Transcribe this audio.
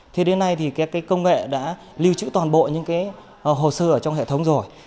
thế đến nay thì công nghệ đã lưu trữ toàn bộ những hồ sơ ở trong hệ thống rồi